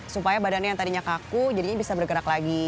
supaya badannya yang tadinya kaku jadinya bisa bergerak lagi